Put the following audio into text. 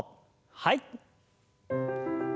はい。